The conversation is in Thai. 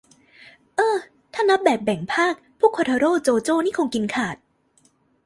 เอ้อ ถ้านับแบบแบ่งภาค พวกโคทาโร่ โจโจ้ นี่คงกินขาด